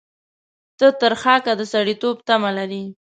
ته پر خاکه د سړېتوب تمه لرې.